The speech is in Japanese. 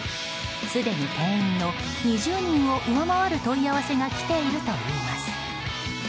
すでに定員の２０人を上回る問い合わせが来ているといいます。